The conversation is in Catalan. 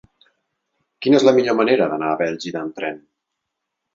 Quina és la millor manera d'anar a Bèlgida amb tren?